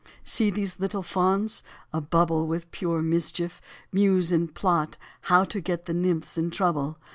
See 1 these little fauns, a bubble With pure mischief, muse and plot How to get the nymphs in trouble.